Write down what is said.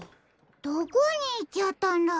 どこにいっちゃったんだろ？